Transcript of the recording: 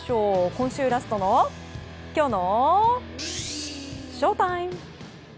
今週ラストのきょうのＳＨＯＴＩＭＥ！